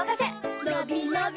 のびのび